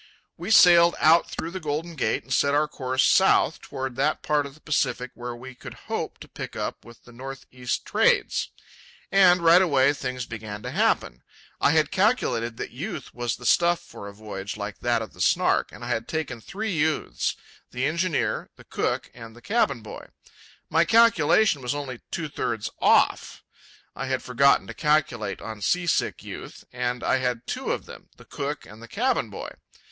We sailed out through the Golden Gate and set our course south toward that part of the Pacific where we could hope to pick up with the north east trades. And right away things began to happen. I had calculated that youth was the stuff for a voyage like that of the Snark, and I had taken three youths—the engineer, the cook, and the cabin boy. My calculation was only two thirds off; I had forgotten to calculate on seasick youth, and I had two of them, the cook and the cabin boy.